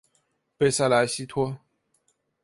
贝塞莱西托。